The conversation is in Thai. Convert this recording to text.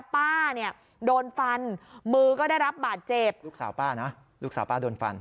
ป้าเนี่ยโดนฟันมือก็ได้รับบาดเจ็บลูกสาวป้านะลูกสาวป้าโดนฟัน